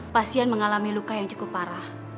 pasien mengalami luka yang cukup parah